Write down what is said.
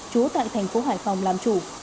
chú tại thành phố hải phòng làm chủ